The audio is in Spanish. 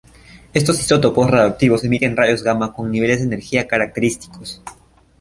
Estos isótopos radioactivos emiten rayos gamma con niveles de energía característicos.